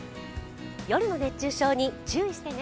夜の熱中症に注意してね。